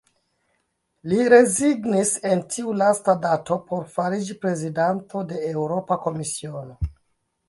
Li rezignis en tiu lasta dato por fariĝi prezidanto de Eŭropa Komisiono.